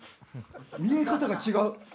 見え方が違う！